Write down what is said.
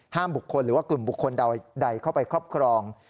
บุคคลหรือว่ากลุ่มบุคคลใดเข้าไปครอบครอง